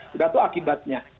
sudah itu akibatnya